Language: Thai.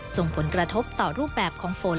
ส่งผลกระทบต่อรูปแบบของฝน